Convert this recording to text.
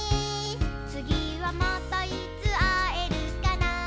「つぎはまたいつあえるかな」